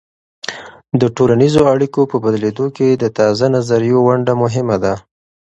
د ټولنیزو اړیکو په بدلیدو کې د تازه نظریو ونډه مهمه ده.